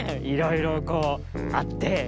いろいろこうあって。